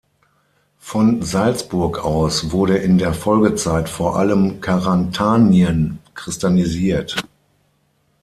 Von Salzburg aus wurde in der Folgezeit vor allem Karantanien christianisiert.